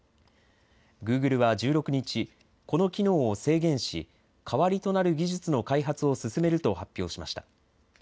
グーグルは１６日、この機能を制限し、代わりとなる技術の開発を進めると発表しました。